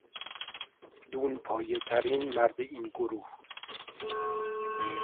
دونپایه ترین مرد این گروه